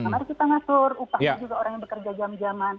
mari kita ngatur upahnya juga orang yang bekerja jam jaman